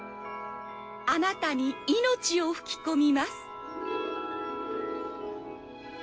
「あなたに命を吹き込みます」